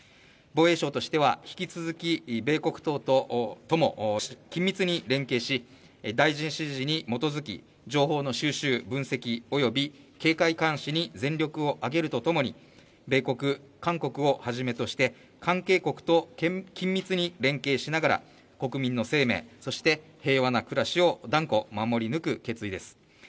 防衛省としては、引き続き米国等とも緊密に連携し大臣指示に基づき、情報の収集・分析及び警戒監視に全力を挙げるとともに、米国・韓国をはじめとして関係国と緊密に連携しながら国民の生命、そして平和な暮らしを断固守り抜く決意です。